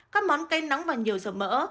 các món cay nóng và nhiều dầu mỡ